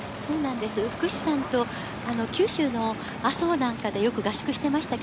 福士さんと九州の阿蘇なんかでよく合宿していました。